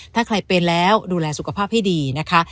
ถ้าใครเป็นแล้วดูแลสุขภาพให้ดีนะคะ